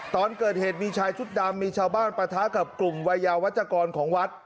ตอนเกิดเหตุมีชายชุดดำมีชาวบ้านปะทะกับกลุ่มวัยยาวัชกรของวัด